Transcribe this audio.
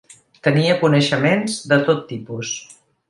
Tenia coneixements de tot tipus.